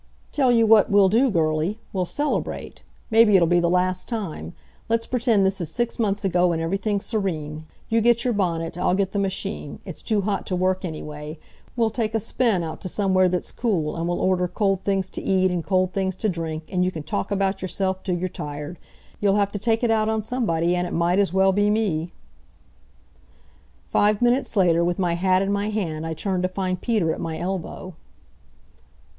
"Tell you what we'll do, girlie. We'll celebrate. Maybe it'll be the last time. Let's pretend this is six months ago, and everything's serene. You get your bonnet. I'll get the machine. It's too hot to work, anyway. We'll take a spin out to somewhere that's cool, and we'll order cold things to eat, and cold things to drink, and you can talk about yourself till you're tired. You'll have to take it out on somebody, an' it might as well be me." Five minutes later, with my hat in my hand, I turned to find Peter at my elbow.